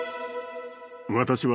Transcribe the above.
私は。